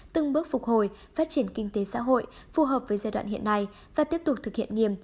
từng bước phục hồi phát triển kinh tế xã hội phù hợp với giai đoạn hiện nay và tiếp tục thực hiện nghiêm